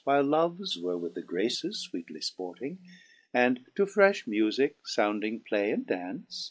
While Loves were with the Graces fweetly fporting. And to frefh mufique founding play and dance.